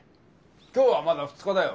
今日はまだ２日だよ。